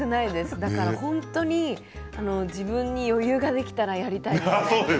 だから本当に自分に余裕ができたらやりたいです。